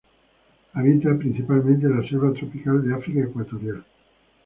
Habita principalmente en la selva tropical de África ecuatorial.